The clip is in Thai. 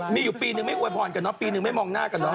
มีอยู่ปีนึงไม่อวยพรกันเนาะปีนึงไม่มองหน้ากันเนอ